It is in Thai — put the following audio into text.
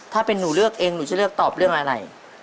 ถ้าเป็นหนูเลือกเองหนูจะเลือกตอบเรื่องอะไร